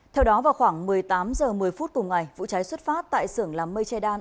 theo đó vào khoảng một mươi tám h một mươi phút cùng ngày vụ cháy xuất phát tại sưởng làm mây che đan